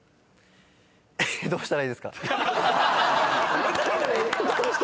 どうしたらいいですか？